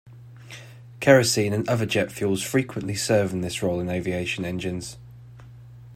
Kerosene and other jet fuels frequently serve in this role in aviation engines.